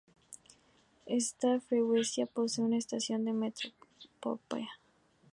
Esta freguesia posee una estación de metro propia.